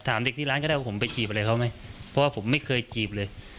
ถามเด็กที่ร้านก็ได้ว่าผมไปจีบอะไรเขาไหมเพราะว่าผมไม่เคยจีบเลย